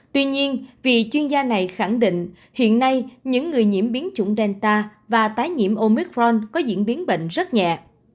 tuy nhiên vì chuyên gia này khẳng định hiện nay những người nhiễm biến chủng delta và tái nhiễm omicron có diễn biến bệnh rất nhẹ